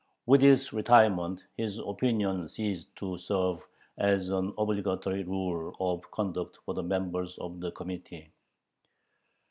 With his retirement his "Opinion" ceased to serve as an obligatory rule of conduct for the members of the Committee.